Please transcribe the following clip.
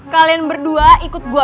kalian berdua ikut gue